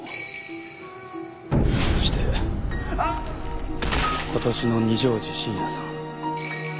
そしてことしの二条路信也さん。